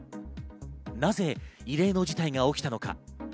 なぜ異例の事態が起きたのか？